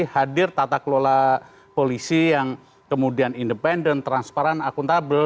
hadir tata kelola polisi yang kemudian independen transparan akuntabel